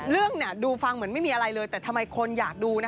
เรื่องดูฟังเหมือนไม่มีอะไรเลยแต่ทำไมคนอยากดูนะ